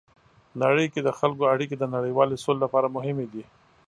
نړۍ کې د خلکو اړیکې د نړیوالې سولې لپاره مهمې دي.